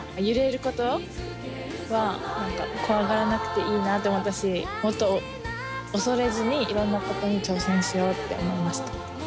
揺れることは何か怖がらなくていいなって思ったしもっと恐れずにいろんなことに挑戦しようって思いました。